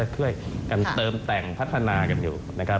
พร้อมเต็มที่ครับ